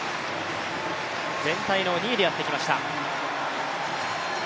全体の２位でやってきました。